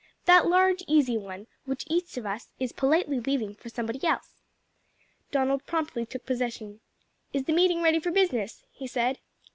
"That large, easy one, which each of us is politely leaving for somebody else." Donald promptly took possession. "Is the meeting ready for business?" he asked.